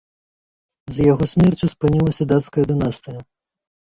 З яго смерцю спынілася дацкая дынастыя.